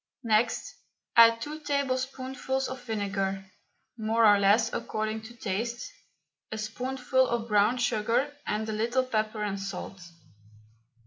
Next add two tablespoonfuls of vinegar more or less according to taste a spoonful of brown sugar, and a little pepper and salt.